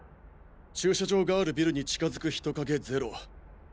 駐車場があるビルに近づく人影ゼロ。